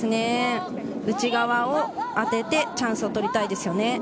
内側を当ててチャンスを取りたいですね。